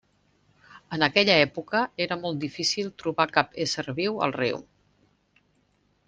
En aquella època, era molt difícil trobar cap ésser viu al riu.